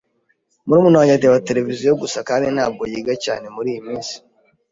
Murumuna wanjye areba televiziyo gusa kandi ntabwo yiga cyane muriyi minsi.